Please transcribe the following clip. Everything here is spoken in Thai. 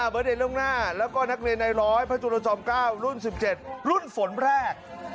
ประเด็นล่วงหน้าแล้วก็นักเรียนในร้อยพระจุลจอม๙รุ่น๑๗รุ่นฝนแรก